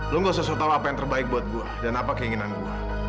lo nggak usah sotau apa yang terbaik buat gue dan apa keinginan gue